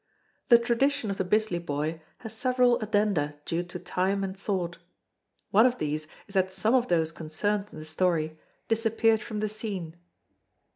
The tradition of the Bisley Boy has several addenda due to time and thought. One of these is that some of those concerned in the story disappeared from the scene.